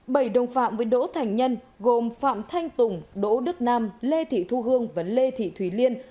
bảy đồng phạm với đỗ thành nhân gồm phạm thanh tùng đỗ đức nam lê thị thu hương và lê thị thùy liên